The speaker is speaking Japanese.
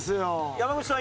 山口さん